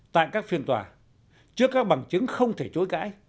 tại các phiên tòa trước các bằng chứng không thể chối cãi